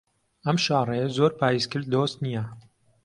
ئەم شاڕێیە زۆر پایسکل دۆست نییە.